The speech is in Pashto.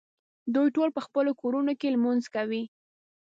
دوی ټول په خپلو کورونو کې لمونځ کوي.